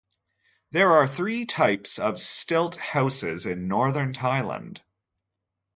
There are three types of stilt houses in northern Thailand.